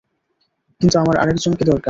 কিন্তু আমার আরেকজনকে দরকার।